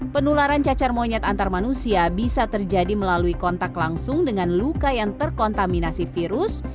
penularan cacar monyet antar manusia bisa terjadi melalui kontak langsung dengan luka yang terkontaminasi virus